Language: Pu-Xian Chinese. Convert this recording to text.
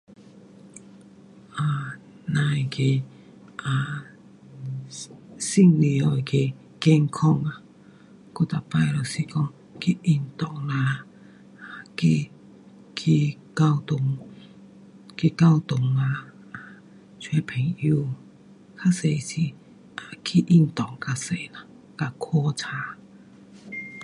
那个女人的健康我每次就说去运动去教堂去教堂找朋友，比较多去运动比较多和看书。